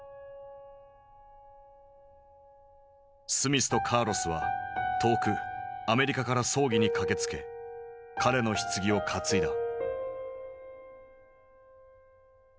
スミスとカーロスは遠くアメリカから葬儀に駆けつけ彼のひつぎを担いだ。